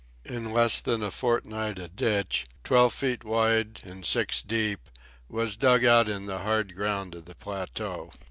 In less than a fortnight a ditch, twelve feet wide and six deep, was dug out in the hard ground of the plateau.